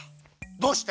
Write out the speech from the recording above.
どうして？